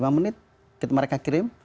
lima menit mereka kirim